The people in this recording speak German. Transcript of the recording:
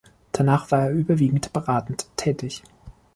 Danach war er überwiegend beratend tätig.